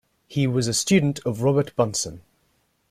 He was a student of Robert Bunsen.